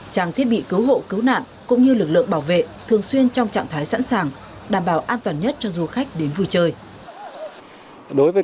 trang thiết bị cứu hộ cứu nạn cũng như lực lượng bảo vệ thường xuyên trong trạng thái sẵn sàng đảm bảo an toàn nhất cho du khách đến vui chơi